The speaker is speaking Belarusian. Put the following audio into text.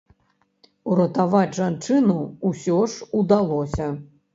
Уратаваць жанчыну ўсё ж удалося.